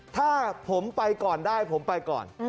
ถ้าผมไปก่อนได้ผมไปก่อน